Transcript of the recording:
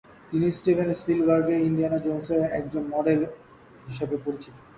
তিনি স্টিভেন স্পিলবার্গের ইন্ডিয়ানা জোন্সের একজন মডেল হিসেবে পরিচিত।